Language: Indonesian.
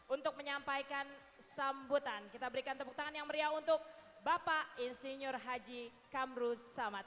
untuk menyampaikan sambutan kita berikan tepuk tangan yang meriah untuk bapak insinyur haji kamru samad